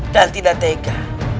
dan tidak tega